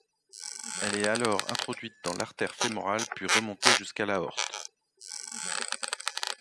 Elle est alors introduite dans l’artère fémorale puis remontée jusqu’à l’aorte.